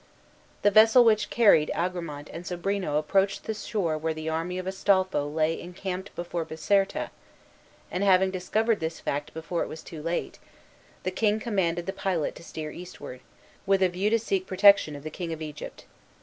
The vessel which carried Agramant and Sobrino approached the shore where the army of Astolpho lay encamped before Biserta, and having discovered this fact before it was too late, the king commanded the pilot to steer eastward, with a view to seek protection of the King of Egypt.